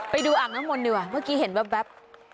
อ่างน้ำมนต์ดีกว่าเมื่อกี้เห็นแว๊บ